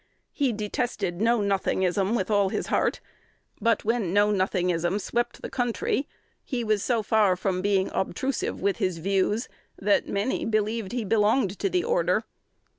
He detested Know Nothingism with all his heart; but, when Know Nothingism swept the country, he was so far from being obtrusive with his views, that many believed he belonged to the order.